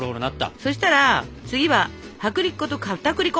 そしたら次は薄力粉とかったくり粉！